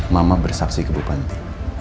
mama bersaksi ke ibu panti